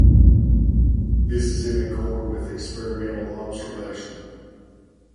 This is in accord with experimental observation.